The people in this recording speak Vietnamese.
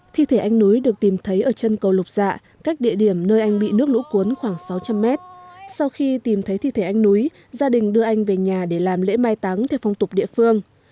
thi thể anh núi được tìm thấy ở chân cầu lục dạ cách địa điểm nơi anh bị nước lũ cuốn khoảng sáu trăm linh mét sau khi tìm thấy thi thể anh núi gia đình đưa anh về nhà để làm lễ mai táng theo phong tục địa phương